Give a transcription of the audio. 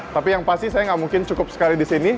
tapi yang pasti saya nggak mungkin cukup sekali di sini